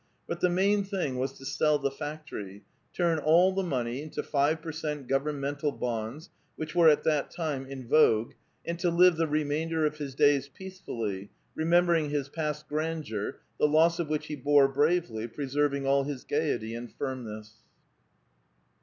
But the main thing was to sell the factory, turn all the money into five per cent governmental bonds, which were at that time in vogue, and to live the remainder of his days peacefully, remembering his past grandeur, the loss of which he bore bravely, preserving all his gayet}' and firmness.